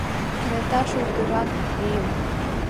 Кенета шулдыран лийым.